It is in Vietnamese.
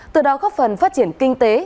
từ đó khắp phần phát triển kinh tế